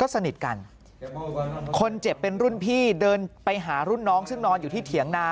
ก็สนิทกันคนเจ็บเป็นรุ่นพี่เดินไปหารุ่นน้องซึ่งนอนอยู่ที่เถียงนา